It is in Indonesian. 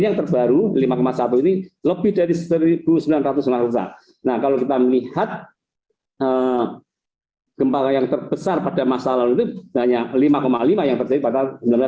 gempa yang terbesar pada masa lalu itu hanya lima lima yang terjadi pada seribu sembilan ratus lima puluh dua